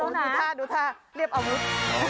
ดูท่าดูท่าเรียบอาวุธ